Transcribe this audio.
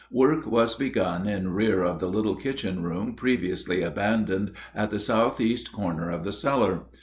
Work was begun in rear of the little kitchen room previously abandoned at the southeast corner of the cellar.